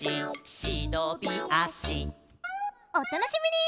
おたのしみに。